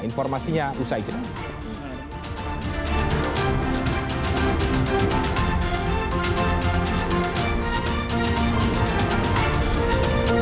informasinya usai kita